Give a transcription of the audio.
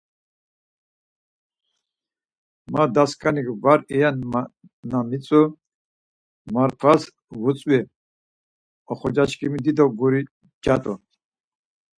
Ma, dasǩanik var iyen na mitzu, Marfas vutzvisi; oxorzaşǩimi dido guri cat̆u.